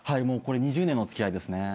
もうこれ２０年の付き合いですね。